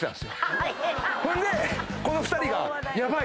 ほんでこの２人がヤバい。